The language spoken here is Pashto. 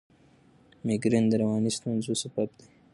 مېګرین د رواني ستونزو سبب دی.